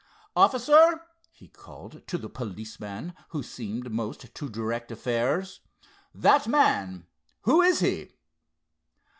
"Officer," he called to the policeman who seemed most to direct affairs, "that man—who is he?"